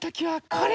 これ。